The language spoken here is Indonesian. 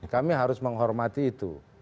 kami harus menghormati itu